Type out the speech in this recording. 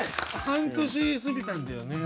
半年過ぎたんだよね。